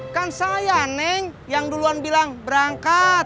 kan saya neng yang duluan bilang berangkat